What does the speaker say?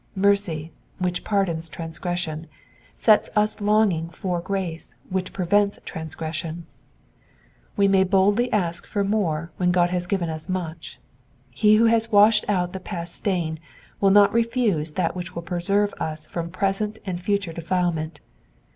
Mercy, which pardons transgression, sets us longing for grace which prevents transgression. We may boldly ask for more when God has given us much ; he who has washed out the past stain will not refuse that which will preserve us from present and future defilement.